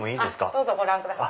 どうぞご覧ください。